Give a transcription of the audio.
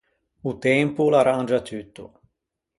O tempo o l’arrangia tutto.